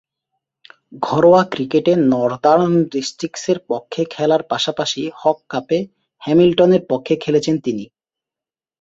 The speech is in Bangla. ঘরোয়া ক্রিকেটে নর্দার্ন ডিস্ট্রিক্টসের পক্ষে খেলার পাশাপাশি হক কাপে হ্যামিল্টনের পক্ষে খেলেছেন তিনি।